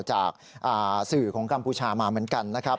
จากสื่อของกัมพูชามาเหมือนกันนะครับ